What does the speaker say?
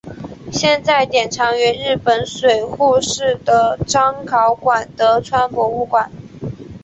现在典藏于日本水户市的彰考馆德川博物馆。